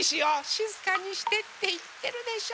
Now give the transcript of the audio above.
しずかにしてっていってるでしょ。